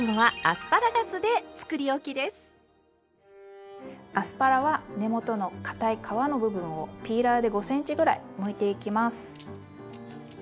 アスパラは根元のかたい皮の部分をピーラーで５ｃｍぐらいむいていきます。